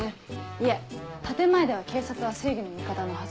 いえ建前では警察は正義の味方なはず。